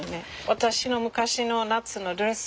私の昔の夏のドレス。